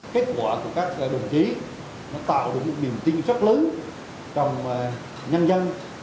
kết quả của các đồng chí nó tạo được một niềm tin rất lớn trong nhân dân